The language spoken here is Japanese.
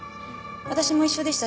私も一緒でしたし